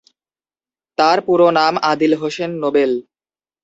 তার পুরো নাম আদিল হোসেন নোবেল।